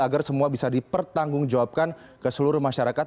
agar semua bisa dipertanggung jawabkan ke seluruh masyarakat